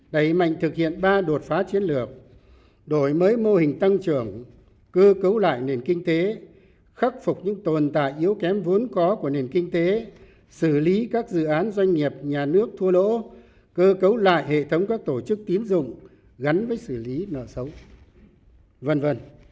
đẩy mạnh thực hiện ba đột phá chiến lược đổi mới mô hình tăng trưởng cơ cấu lại nền kinh tế khắc phục những tồn tại yếu kém vốn có của nền kinh tế xử lý các dự án doanh nghiệp nhà nước thua lỗ cơ cấu lại hệ thống các tổ chức tín dụng gắn với xử lý nợ xấu v v